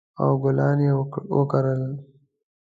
او ګلان یې وکرل